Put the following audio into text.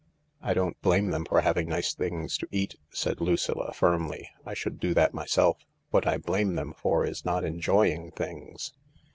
" I don't blame them for having nice things to eat," said Lucilla firmly. " I should do that myself. What I blame them for is not enjoying things.